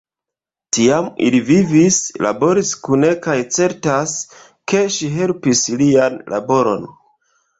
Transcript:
Tiam ili vivis, laboris kune kaj certas, ke ŝi helpis lian laboron.